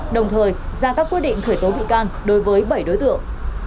đồng thời ra các quyết định khởi tố bị can đối với bảy đối tượng